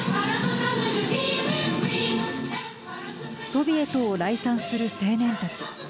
ソビエトを礼賛する青年たち。